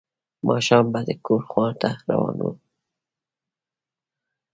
ماښام به د کور خواته روان و.